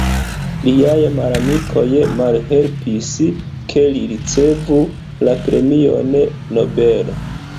Liaj malamikoj malhelpis ke li ricevu la premion Nobel.